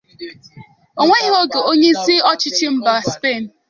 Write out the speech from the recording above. O weghị oge onye isi ọchịchị mba Spen